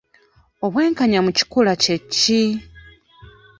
Obwenkanya mu kikula kye ki?